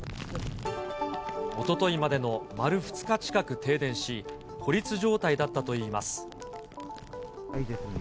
おとといまでの丸２日近く停電し、孤立状態だったといいます。